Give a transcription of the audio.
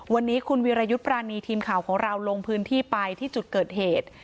วันนี้คุณวิรยุทธ์ปรานีทีมข่าวของเราลงพื้นที่ไปที่จุดเกิดเหตุ